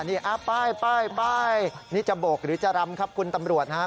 นี่ไปนี่จะโบกหรือจะรำครับคุณตำรวจนะครับ